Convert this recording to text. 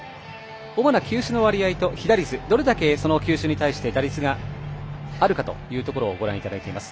主な球種の割合と被打率、どれだけその球種に対して打率があるかというところをご覧いただいています。